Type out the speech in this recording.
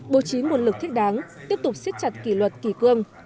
bố trí nguồn lực thiết đáng tiếp tục xiết chặt kỷ luật kỷ cương